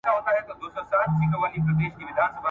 ایا د سهار په ورزش کي د یو منظم پلان لرل ګټور دي؟